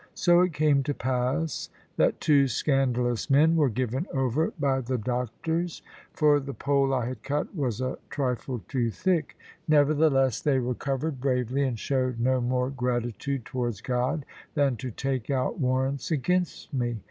So it came to pass that two scandalous men were given over by the doctors (for the pole I had cut was a trifle too thick), nevertheless they recovered bravely, and showed no more gratitude towards God, than to take out warrants against me!